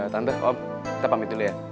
tante oh kita pamit dulu ya